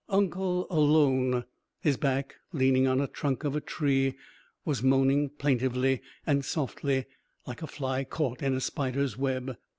"Uncle" alone, his back leaning on a trunk of a tree, was moaning plaintively and softly like a fly caught in a spider's web.